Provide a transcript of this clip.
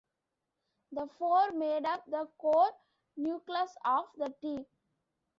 The four made up the core nucleus of the team.